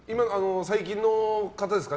最近の方ですか